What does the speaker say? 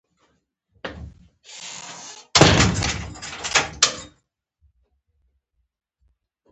د اوسپنې په وینه کې اکسیجن لېږدوي.